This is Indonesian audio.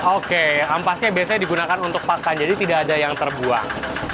oke ampasnya biasanya digunakan untuk pakan jadi tidak ada yang terbuang